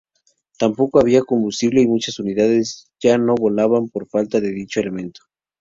Tampoco había combustible y muchas unidades ya no volaban por falta de dicho elemento.